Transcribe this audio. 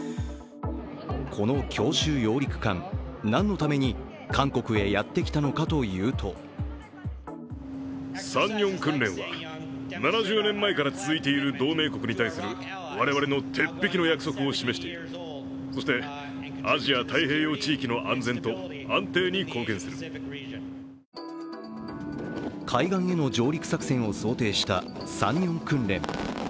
この強襲揚陸艦、何のために韓国にやってきたのかというと海岸への上陸作戦を想定したサンニョン訓練。